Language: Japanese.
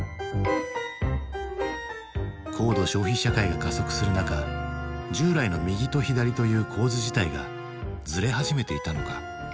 高度消費社会が加速する中従来の右と左という構図自体がズレ始めていたのか？